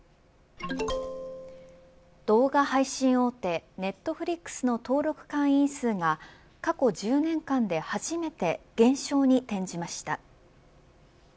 動画配信大手ネットフリックスの登録会員数が過去１０年間で初めて減少に転じました。